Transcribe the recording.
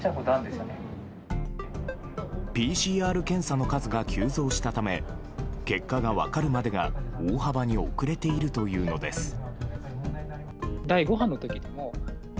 ＰＣＲ検査の数が急増したため結果が分かるまでが大幅に遅れているというのです。